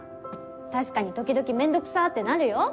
確かに時々面倒くさってなるよ。